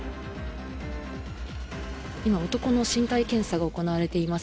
今、男の身体検査が行われています。